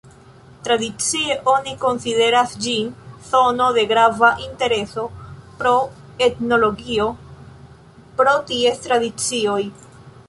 Tradicie oni konsideras ĝin zono de grava intereso pro etnologio pro ties tradicioj.